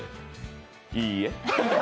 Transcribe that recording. いいえ。